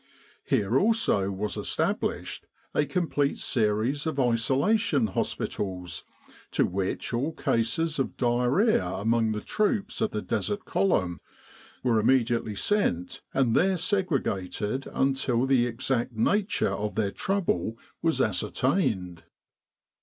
Here also was established a complete series of isolation hospitals, to which all cases of diarrhoea among the troops of the Desert Column were immediately sent and there segregated until the exact nature of their trouble was ascertained.